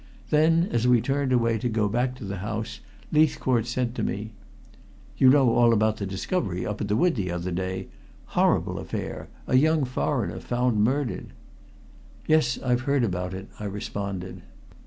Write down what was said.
Then, as we turned away to go back to the house, Leithcourt said to me "You know all about the discovery up at the wood the other day! Horrible affair a young foreigner found murdered." "Yes. I've heard about it," I responded.